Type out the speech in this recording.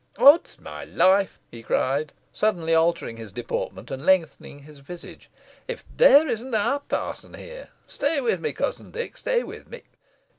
Odds my life!" he cried, suddenly altering his deportment and lengthening his visage, "if there isn't our parson here. Stay with me, cousin Dick, stay with me.